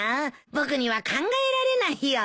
僕には考えられないよ。